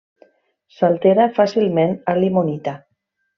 S'altera fàcilment a limonita.